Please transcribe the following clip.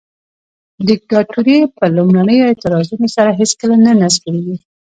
دیکتاتوري په لومړنیو اعتراضونو سره هیڅکله نه نسکوریږي.